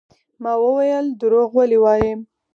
ما وويل دروغ ولې وايې.